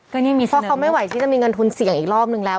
ก็นี่มีเพราะเขาไม่ไหวที่จะมีเงินทุนเสี่ยงอีกรอบนึงแล้ว